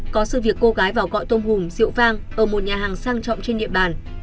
có sự việc cô gái vào cõi tôm hùm rượu vang ở một nhà hàng sang trọng trên địa bàn